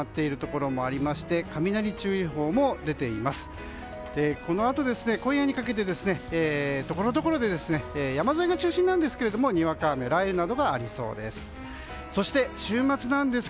このあと今夜にかけてところどころで山沿いが中心なんですがにわか雨、雷雨などがありそうです。